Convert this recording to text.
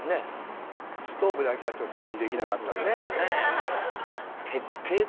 ストーブだけは直線にできなかった。